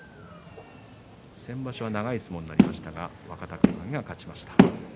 先場所は長い相撲になりましたが若隆景が勝ちました。